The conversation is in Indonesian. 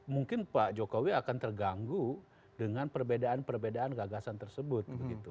mungkin pak jokowi akan terganggu dengan perbedaan perbedaan gagasan tersebut